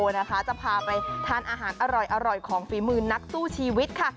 นะคะจะพาไปทานอาหารอร่อยของฝีมือนักสู้ชีวิตค่ะ